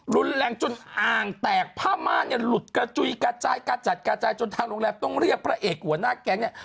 รุนแรงจนอ่างแตกผ้าม่าเนี่ยหลุดกระจุยกระจายกระจัดกระจายจนทางโรงแรมต้องเรียกพระเอกหัวหน้าแก๊งเนี่ย